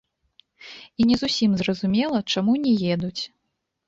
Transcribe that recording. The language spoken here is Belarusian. І не зусім зразумела, чаму не едуць.